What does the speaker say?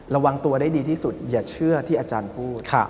ระวังตัวได้ดีที่สุดอย่าเชื่อที่อาจารย์พูด